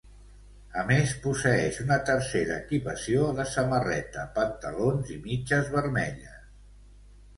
A més posseeix una tercera equipació de samarreta, pantalons i mitges vermelles.